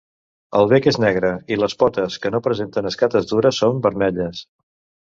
El bec és negre i les potes que no presenten escates dures són vermelles.